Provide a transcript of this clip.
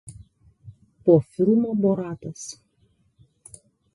Po filmo "Boratas.